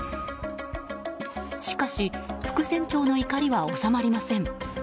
しかし、副船長の怒りは収まりません。